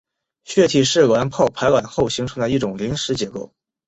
血体是卵泡排卵后形成的一种临时结构。